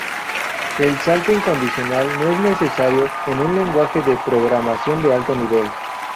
El salto incondicional no es necesario en un lenguaje de programación de alto nivel.